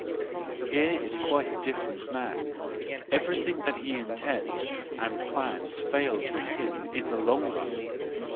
—Here is quite a different man : everything that he intends and plans fails with him in the long run.